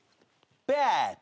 ベット？